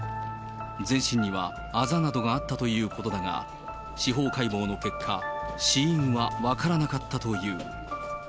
全身にはあざなどがあったということだが、司法解剖の結果、死因は分からなかったという。